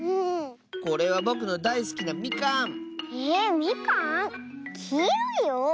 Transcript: これはぼくのだいすきなみかん！えみかん？きいろいよ。